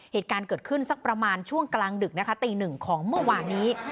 เหตุการณ์เกิดขึ้นสักประมาณช่วงกลางดึกนะคะตีหนึ่งของเมื่อวานนี้